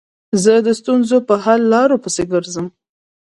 زه د ستونزو په حل لارو پيسي ګرځم.